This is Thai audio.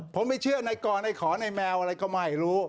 ผมไม่เชื่อในกรในขอในแมวอะไรก็ไม่รู้